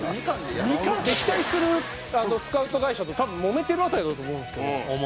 ２巻敵対するスカウト会社と多分もめてる辺りだと思うんですけど。